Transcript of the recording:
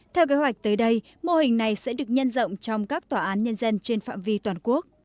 theo kế hoạch tới đây mô hình này sẽ được nhân rộng trong các tòa án nhân dân trên phạm vi toàn quốc